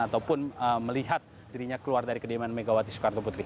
ataupun melihat dirinya keluar dari kediaman megawati soekarno putri